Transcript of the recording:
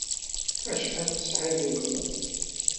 Acḥal tesɛiḍ di lqedd?